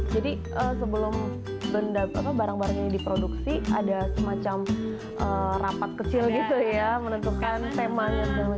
jadi sebelum barang barang ini diproduksi ada semacam rapat kecil gitu ya menentukan temanya